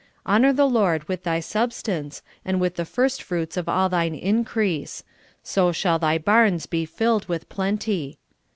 '' Honor the Lord with th}^ substance, and with the first fruits of all thine increase ; so shall thy barns be filled with plenty."